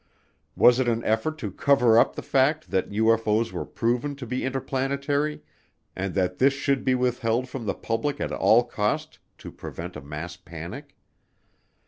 Was it an effort to cover up the fact that UFO's were proven to be interplanetary and that this should be withheld from the public at all cost to prevent a mass panic?